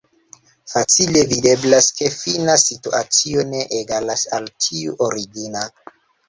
Facile videblas, ke fina situacio ne egalas al tiu origina.